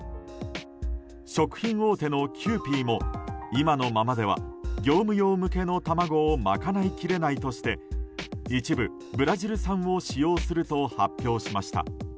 食品大手のキユーピーも今のままでは、業務用向けの卵を賄いきれないとして一部ブラジル産を使用すると発表しました。